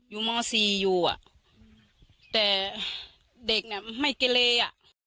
อยู่เมาสีอยู่อ่ะแต่เด็กเนี่ยไม่เกลีย